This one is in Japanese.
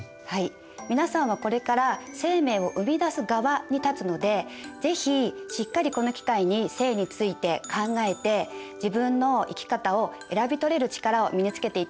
皆さんはこれから生命を生み出す側に立つので是非しっかりこの機会に性について考えて自分の生き方を選び取れる力を身につけていってほしいと思います。